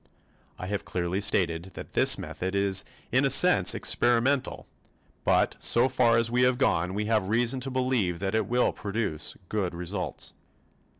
I have clearly stated that this method is in a sense experimental, but so far as we have gone we have reason to believe that it will produce good results.